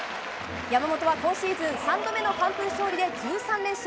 山本は今シーズン３度目の完封勝利で１３連勝。